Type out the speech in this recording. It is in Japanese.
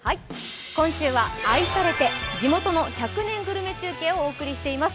今週は「愛されて地元の１００年グルメ中継」をお送りしています。